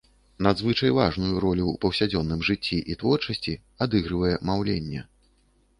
Надзвычай важную ролю ў паўсядзённым жыцці і творчасці адыгрывае маўленне.